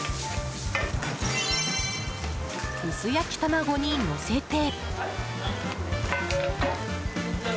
薄焼き卵にのせて。